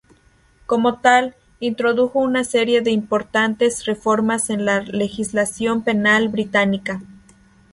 Como tal, introdujo una serie de importantes reformas en la legislación penal británica.